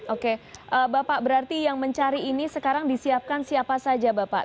oke bapak berarti yang mencari ini sekarang disiapkan siapa saja bapak